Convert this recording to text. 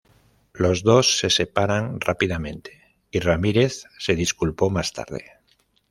Los dos se separaron rápidamente, y "Ramírez" se disculpó más tarde.